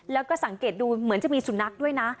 แล้วก็สังเกตดูเหมือนจะมีสุนัขด้วยนะ